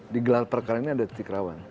di gelar perkara ini ada titik rawan